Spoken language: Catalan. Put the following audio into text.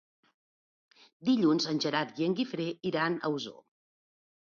Dilluns en Gerard i en Guifré iran a Osor.